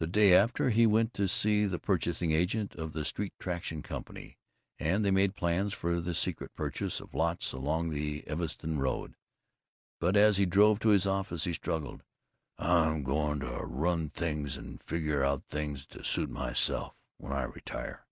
The day after, he went to see the purchasing agent of the Street Traction Company and they made plans for the secret purchase of lots along the Evanston Road. But as he drove to his office he struggled, "I'm going to run things and figure out things to suit myself when I retire."